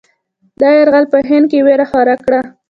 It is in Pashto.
دا یرغل په هند کې وېره خوره کړه.